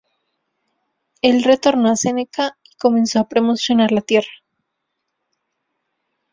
Él retornó a Seneca y comenzó a promocionar la tierra.